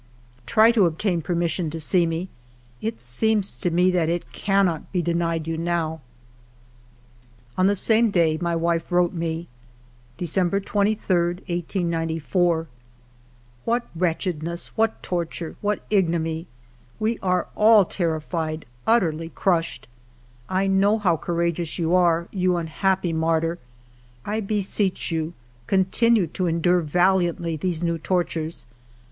" Try to obtain permission to see me. It seems to me that it cannot be denied you now." On the same day my wife wrote me :—December 23, 1894. " What wretchedness, what torture, what igno miny ! We are all terrified, utterly crushed. I know how courageous you are, you unhappy martyr ! I beseech you, continue to endure val iantly these new tortures.